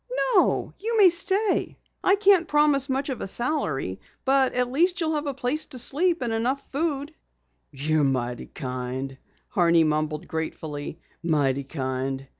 "No, you may stay. I can't promise much of a salary, but at least you'll have a place to sleep and enough food." "You're mighty kind," Horney mumbled gratefully. "Mighty kind."